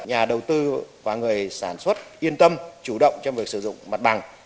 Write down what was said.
nhà đầu tư và người sản xuất yên tâm chủ động trong việc sử dụng mặt bằng